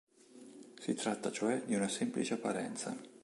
Si tratta cioè di una semplice apparenza.